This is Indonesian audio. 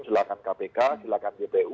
silahkan kpk silahkan jpu